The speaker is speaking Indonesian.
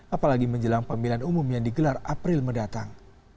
apalagi menjelang pemilihan umum yang digelar april mendatang